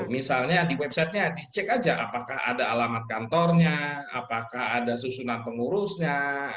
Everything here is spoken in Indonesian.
misalnya di website nya dicek aja apakah ada alamat kantornya apakah ada susunan pengurusnya